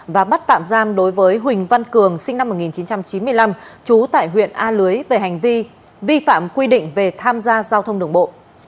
và bắt tạm giam đối với huỳnh văn cường sinh năm một nghìn chín trăm chín mươi năm trú tại huyện a lưới về hành vi vi phạm quy định về tham gia giao thông đường bộ